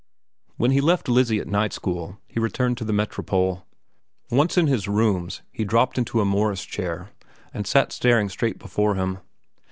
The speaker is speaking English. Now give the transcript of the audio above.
When he left Lizzie at night school, he returned to the Metropole. Once in his rooms, he dropped into a Morris chair and sat staring straight before him.